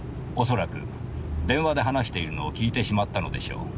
恐らく電話で話しているのを聞いてしまったのでしょう。